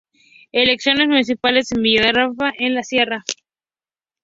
Elecciones municipales en Villafranca de la Sierra.